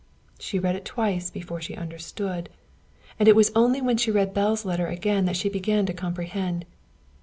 She read it twice before she understood, and it was only when she read Belle's letter again that she began to comprehend.